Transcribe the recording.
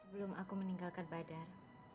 belum aku meninggalkan badar